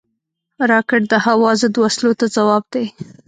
راکټ د هوا ضد وسلو ته ځواب دی